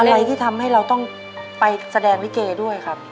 อะไรที่ทำให้เราต้องไปแสดงลิเกด้วยครับ